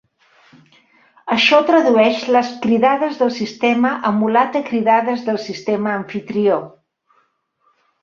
Això tradueix les cridades del sistema emulat a cridades del sistema amfitrió.